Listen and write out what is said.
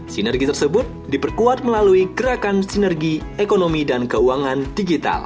sinergi tersebut diperkuat melalui gerakan sinergi ekonomi dan keuangan digital